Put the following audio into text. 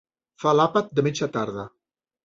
Fa l'àpat de mitja tarda.